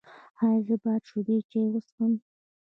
ایا زه باید شیدې چای وڅښم؟